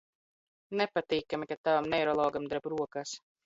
Nepatīkami, kad tavam neirologam dreb rokas.